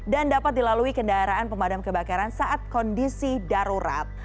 dan dapat dilalui kendaraan pemadam kebakaran saat kondisi darurat